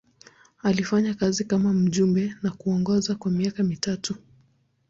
Alifanya kazi kama mjumbe na kuongoza kwa miaka mitatu.